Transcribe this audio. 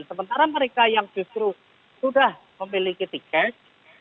sementara mereka yang justru sudah memiliki tiket